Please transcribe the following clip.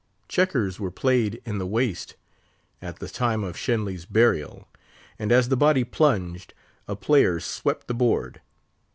Checkers were played in the waist at the time of Shenly's burial; and as the body plunged, a player swept the board.